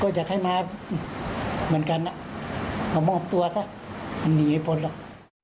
ก็จะให้มาเหมือนกันเอามอบตัวซะมันหนีไปบนหรอก